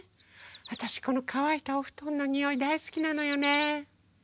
あたしこのかわいたおふとんのにおいだいすきなのよね。